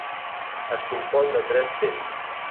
Es compon de tres temps.